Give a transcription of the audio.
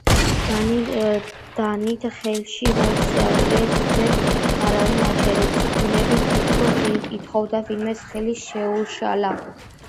დანით ხელში მოსიარულე ძმებს არავინ აჩერებდა, ძმები თითქოს ითხოვდნენ ვინმეს ხელი შეეშალა.